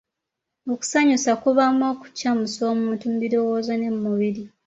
Okusanyusa kubaamu okucamusa omuntu mu birowoozo ne mu mubiri.